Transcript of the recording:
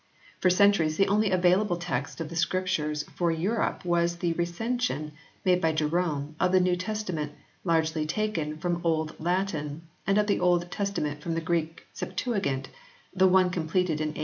For centuries the only available text of the Scriptures for Europe was the recension, made by Jerome, of the New Testa ment largely taken from the Old Latin, and of the Old Testament from the Greek Septuagint, the one completed in A.